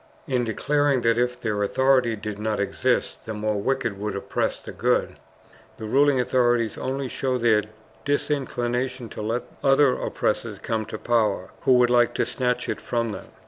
In declaring that if their authority did not exist the more wicked would oppress the good, the ruling authorities only show their disinclination to let other oppressors come to power who would like to snatch it from them.